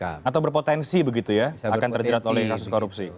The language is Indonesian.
atau berpotensi begitu ya akan terjerat oleh kasus korupsi